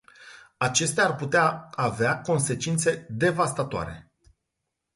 Acestea ar putea avea consecințe devastatoare.